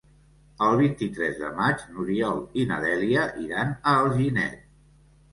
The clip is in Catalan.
El vint-i-tres de maig n'Oriol i na Dèlia iran a Alginet.